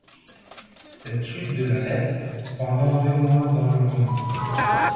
Cette chute de le laisse pendant deux mois dans le coma.